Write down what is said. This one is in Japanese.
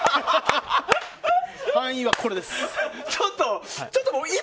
敗因は、これです。